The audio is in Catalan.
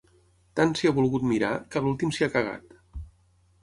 Tant s'hi ha volgut mirar, que a l'últim s'hi ha cagat.